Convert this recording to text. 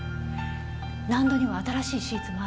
納戸には新しいシーツもあったのに。